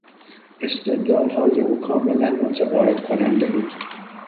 استدلالهای او کاملا متقاعد کننده بود.